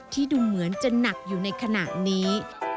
ดูเหมือนจะหนักอยู่ในขณะนี้